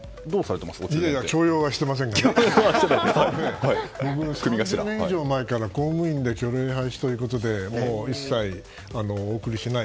強要はしてませんが僕、３年以上前から公務員で虚礼廃止ということで一切、お贈りしない。